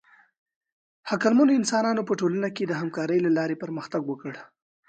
عقلمنو انسانانو په ټولنه کې د همکارۍ له لارې پرمختګ وکړ.